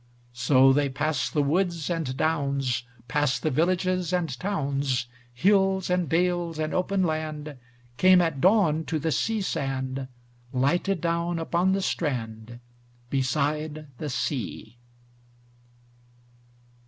So they pass the woods and downs, Pass the villages and towns, Hills and dales and open land, Came at dawn to the sea sand, Lighted down upon the strand, Beside the sea.